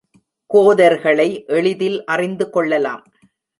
கோதர்களை எளிதில் அறிந்துகொள்ளலாம்.